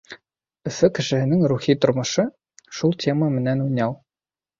Өфө кешеһенең рухи тормошо — шул тема менән уйнау.